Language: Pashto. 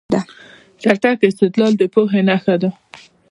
چټک استدلال د پوهې نښه ده.